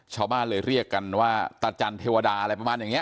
ชาวบ้านเลยเรียกกันว่าตาจันเทวดาอะไรประมาณอย่างนี้